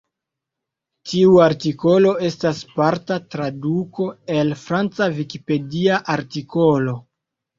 Tiu artikolo estas parta traduko el la franca Vikipedia artikolo.